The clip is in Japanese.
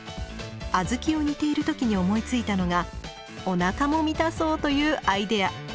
小豆を煮ている時に思いついたのが「お腹も満たそう」というアイデア。